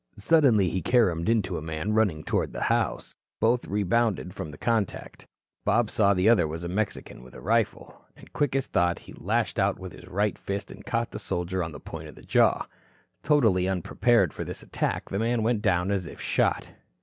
Suddenly he carromed into a man running toward the house. Both rebounded from the contact. Bob saw the other was a Mexican with a rifle. Quick as thought, he lashed out with his right fist and caught the soldier on the point of the jaw. Totally unprepared for this attack, the man went down as if shot.